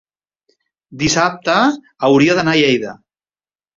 dissabte hauria d'anar a Lleida.